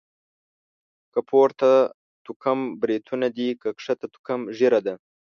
که پورته توکم بريتونه دي.، که کښته توکم ږيره ده.